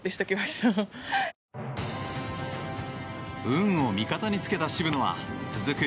運も味方につけた渋野は続く